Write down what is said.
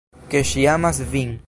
Ke ŝi amas vin.